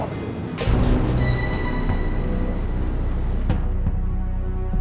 waktu yang tepat aku cerita semuanya ke kamu